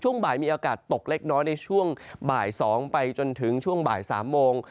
บ่ายมีอากาศตกเล็กน้อยในช่วงบ่าย๒ไปจนถึงช่วงบ่าย๓โมง